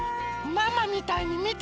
ママみたいにみて！